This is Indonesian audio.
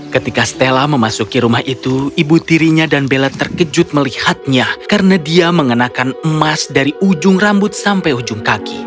ketika stella memasuki rumah itu ibu tirinya dan bella terkejut melihatnya karena dia mengenakan emas dari ujung rambut sampai ujung kaki